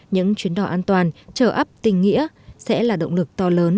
những chuyến đỏ an toàn trở ấp tình nghĩa sẽ là động lực to lớn